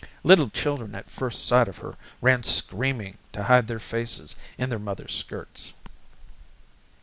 Little children at first sight of her ran screaming to hide their faces in their mother's skirts.